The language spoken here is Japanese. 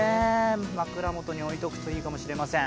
枕元に置いておくといいかもしれません。